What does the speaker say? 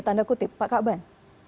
tanda kutip pak kaban